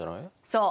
そう。